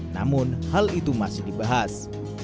namun hal itu masih dibahas